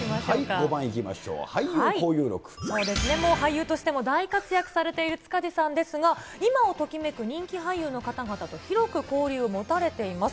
そうですね、もう俳優としても大活躍されている塚地さんですが、今をときめく人気俳優の方々と広く交流を持たれています。